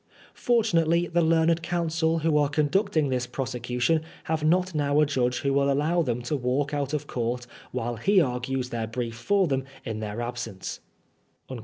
Fortunately, the learned counsel who are con ducting this prosecution have not now a judge who will allow them to walk out of court while he argues uieir brief for them in their absence.